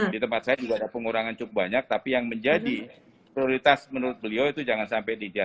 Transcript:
di tempat saya juga ada pengurangan cukup banyak tapi yang menjadi prioritas menurut beliau itu jangan sampai dijaga